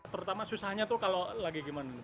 pertama susahnya tuh kalau lagi gimana